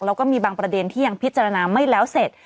แล้วก็มีบางประเด็นที่ยังพิจารณาไม่แล้วเสร็จ